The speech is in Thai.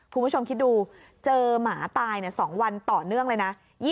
คุณผู้ชมคิดดูเจอหมาตาย๒วันต่อเนื่องเลยนะ